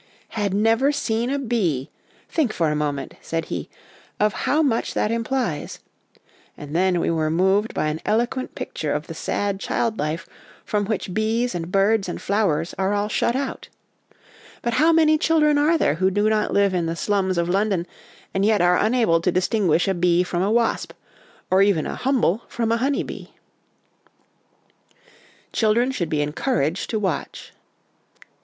' Had never seen a bee ! Think for a moment, 9 said he, ' of how much that implies'; and then we were moved by an eloquent picture of the sad child life from which bees and birds and flowers are all shut out But how OUT OF DOOR LIFE FOR THE CHILDREN 57 many children are there who do not live in the slums of London, and yet are unable to distinguish a bee from a wasp, or even a ' humble ' from a honey bee ! Children should be encouraged to Watch.